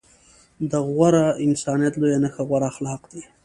د غوره انسانيت لويه نښه غوره اخلاق دي.